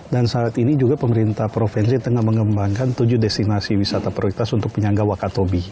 dan saat ini juga pemerintah provinsi tengah mengembangkan tujuh destinasi wisata prioritas untuk penyangga wakatobi